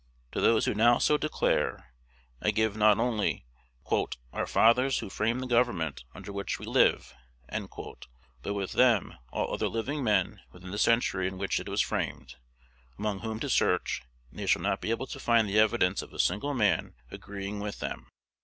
To those who now so declare, I give, not only "our fathers, who framed the government under which we live," but with them all other living men within the century in which it was framed, among whom to search, and they shall not be able to find the evidence of a single man agreeing with them.